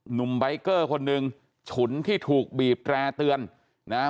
หนุ่มใบเกอร์คนหนึ่งฉุนที่ถูกบีบแร่เตือนนะฮะ